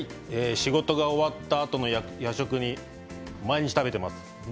仕事が終わったあとの夜食に毎日食べています。